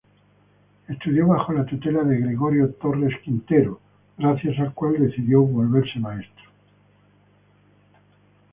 Estudió bajo la tutela de Gregorio Torres Quintero, gracias al cual decidió volverse maestro.